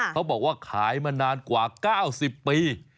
เขาบอกว่าขายมานานกว่า๙๐ปี